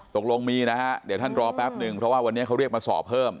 ตกลงมีนะฮะเดี๋ยวท่านรอแป๊บนึงเพราะว่าวันนี้เขาเรียกมาสอบเพิ่ม